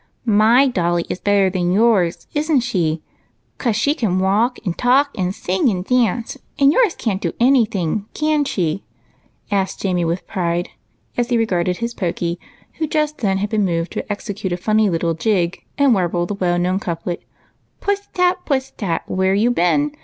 " 3fy dolly is better than yours, is n't she ? 'cause she can walk and talk and sing and dance, and yours can't do any thing, can she ?" asked Jamie with pride, as he regarded his Pokey, who just then had been moved to execute a funny little jig and warble the well known couplet, —"' Puss tat, puss tat, where you been